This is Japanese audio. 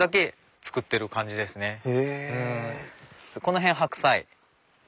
この辺白菜。